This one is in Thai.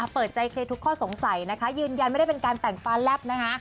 เปิดใจเคลียร์ทุกข้อสงสัยนะคะยืนยันไม่ได้เป็นการแต่งฟ้าแลบนะคะ